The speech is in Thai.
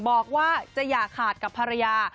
บอกว่าจะอย่าขาดกับภรรยา